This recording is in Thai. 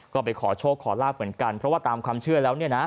ก็ไปขอโชคขอลาบเหมือนกันเพราะว่าตามความเชื่อแล้วเนี่ยนะ